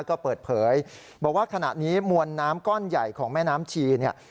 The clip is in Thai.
ก็เปิดเผยบอกว่าขณะนี้มวลน้ำก้อนใหญ่ของแม่น้ำชีเนี่ย